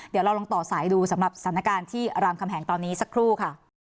เดี๋ยวเราลองต่อสายดูสำหรับสถานการณ์ที่รามคำแหงตอนนี้สักครู่ค่ะ